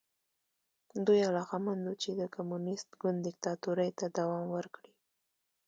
دوی علاقمند وو چې د کمونېست ګوند دیکتاتورۍ ته دوام ورکړي.